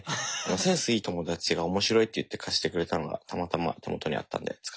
センスいい友達が面白いって言って貸してくれたのがたまたま手元にあったんで使っただけです。